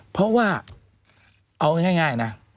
เพราะว่าเอาง่ายนะ